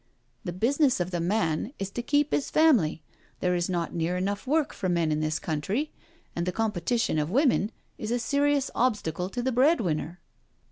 The business of the man is to keep 'is family — ^there is not near enough work for men in this country, and the competition of women is a serious obstacle to the breadwinner.